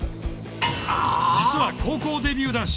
実は高校デビュー男子。